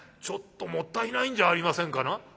ちょっともったいないんじゃありませんかな」。